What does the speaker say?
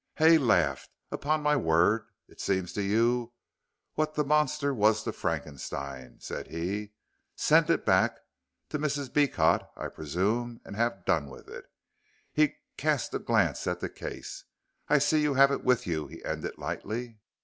Hay laughed. "Upon my word it seems to you what the Monster was to Frankenstein," said he. "Send it back to Mrs. Beecot, I presume and have done with it." He cast a glance at the case. "I see you have it with you," he ended, lightly.